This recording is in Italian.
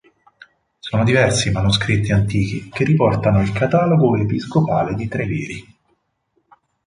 Sono diversi i manoscritti antichi che riportano il catalogo episcopale di Treviri.